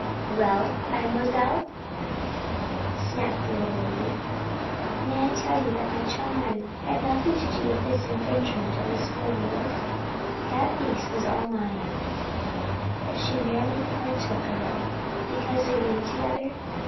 "Well, Mademoiselle?" snapped the little lady. "May I tell you that my chum Ruth had nothing to do with this infringement of the school rules? That the feast was all mine; that she merely partook of it because we roomed together?